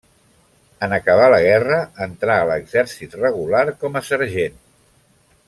En acabar la guerra entrà a l'exèrcit regular com a sergent.